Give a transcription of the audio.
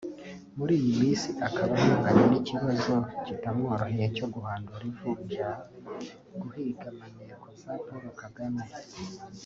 Muri iyi minsi akaba ahanganye n’ikibazo kitamworoheye cyo guhandura ivunja (guhiga maneko za Paul Kagame)